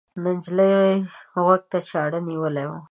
نجلۍ غوږ ته چاړه نیولې وه.